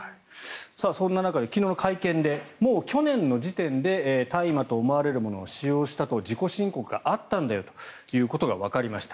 そんな中で昨日の会見でもう去年の時点で大麻と思われるものを使用したと自己申告があったということがわかりました。